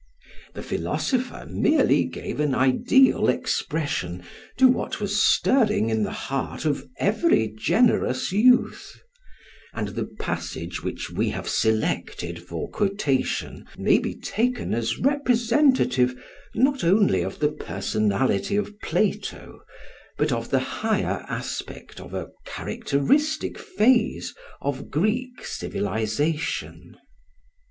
The philosopher merely gave an ideal expression to what was stirring in the heart of every generous youth; and the passage which we have selected for quotation may be taken as representative not only of the personality of Plato, but of the higher aspect of a characteristic phase of Greek civilisation.